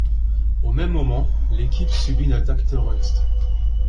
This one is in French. Au même moment, l’équipe subit une attaque terroriste.